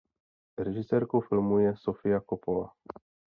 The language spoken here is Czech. Režisérkou filmu je Sofia Coppola.